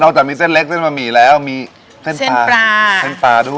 จากมีเส้นเล็กเส้นบะหมี่แล้วมีเส้นปลาเส้นปลาด้วย